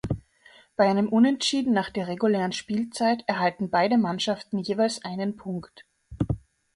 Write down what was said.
Bei einem Unentschieden nach der regulären Spielzeit erhalten beide Mannschaften jeweils einen Punkt.